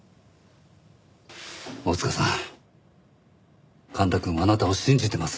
大塚さん幹太くんはあなたを信じてます。